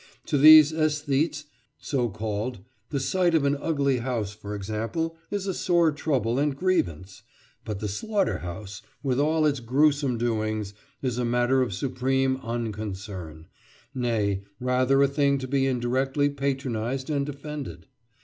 To these æsthetes, so called, the sight of an ugly house, for example, is a sore trouble and grievance, but the slaughter house, with all its gruesome doings, is a matter of supreme unconcern—nay, rather a thing to be indirectly patronised and defended.